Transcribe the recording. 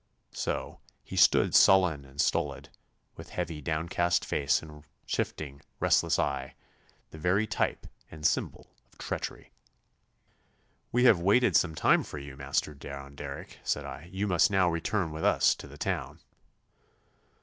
So he stood sullen and stolid, with heavy, downcast face and shifting, restless eye, the very type and symbol of treachery. 'We have waited some time for you, Master John Derrick,' said I. 'You must now return with us to the town.